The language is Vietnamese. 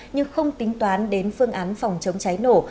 nhưng không tính toán đến phương án phòng chống cháy nổ